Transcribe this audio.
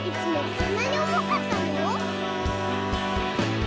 こんなにおもかったの？」